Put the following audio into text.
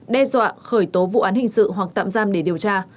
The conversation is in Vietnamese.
đe dọa khởi tố vụ án hình sự hoặc tạm giam để điều tra